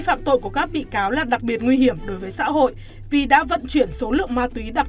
phạm tội của các bị cáo là đặc biệt nguy hiểm đối với xã hội vì đã vận chuyển số lượng ma túy đặc